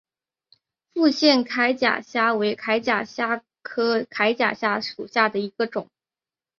复线铠甲虾为铠甲虾科铠甲虾属下的一个种。